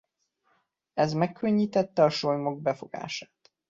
Ez megkönnyítette a sólymok befogását.